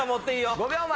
５秒前！